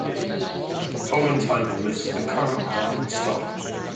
The following table lists the current rolling stock.